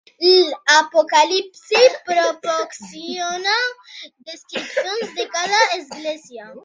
L'Apocalipsi proporciona descripcions de cada Església.